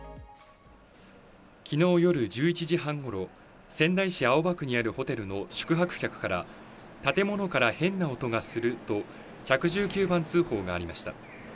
昨日夜１１時半頃、仙台市青葉区にあるホテルの宿泊客から建物から変な音がすると１１９番通報がありました。